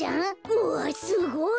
うわっすごい！